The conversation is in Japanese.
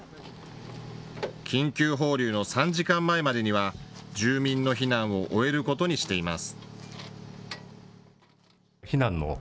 緊急放流の３時間前までには住民の避難を終えることにしています。